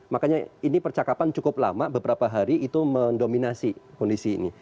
makanya ini percakapan cukup lama beberapa hari itu mendominasi kondisi ini